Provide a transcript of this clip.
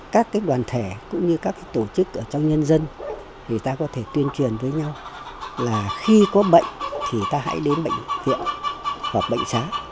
các đoàn thể cũng như các tổ chức ở trong nhân dân người ta có thể tuyên truyền với nhau là khi có bệnh thì ta hãy đến bệnh viện hoặc bệnh xá